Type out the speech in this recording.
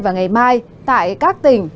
và ngày mai tại các tỉnh